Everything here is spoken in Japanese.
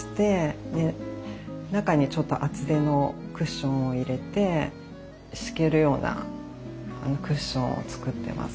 で中にちょっと厚手のクッションを入れて敷けるようなクッションを作ってます。